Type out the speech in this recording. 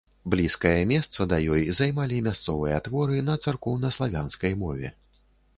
Блізкае месца да ёй займалі мясцовыя творы на царкоўнаславянскай мове.